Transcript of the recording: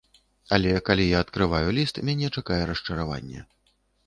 Але калі я адкрываю ліст, мяне чакае расчараванне.